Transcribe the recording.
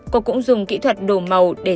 cô cũng dùng kỹ thuật đồ màu để